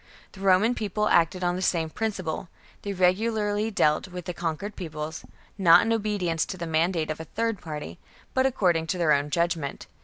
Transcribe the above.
The Roman People acted on the same principle : they regularly dealt with con quered peoples, not in obedience to the mandate of a third party, but according to their own judge ment.